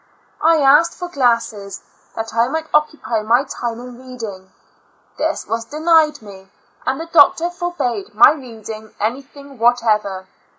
I asked for glasses, that I might occupy my time in reading. This was denied me, and the doc tor forbade my reading anything whatever.